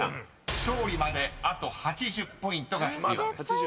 ［勝利まであと８０ポイントが必要です］